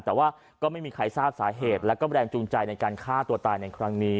แต่ว่าก็ไม่มีใครทราบสาเหตุแล้วก็แรงจูงใจในการฆ่าตัวตายในครั้งนี้